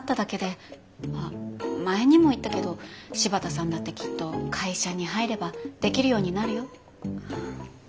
あ前にも言ったけど柴田さんだってきっと会社に入ればできるようになるよ。